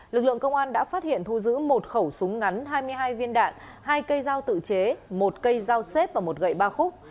lực lượng công an đã phát hiện thu giữ một khẩu súng ngắn hai mươi hai viên đạn hai cây dao tự chế một cây dao xếp và một gậy ba khúc